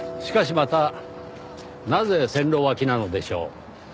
しかしまたなぜ線路脇なのでしょう？